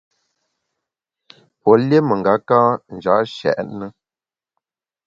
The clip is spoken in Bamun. Pue lié mengaka nja’ nshèt ne.